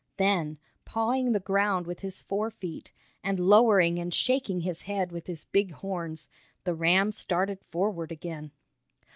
Then, pawing the ground with his fore feet, and lowering and shaking his head with its big horns, the ram started forward again.